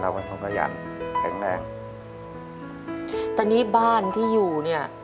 กระทบขยันแข็งแรงตอนนี้บ้านที่อยู่เนี่ย